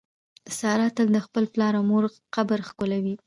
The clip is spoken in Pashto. ساره تل د خپل پلار او مور قبر ښکلوي.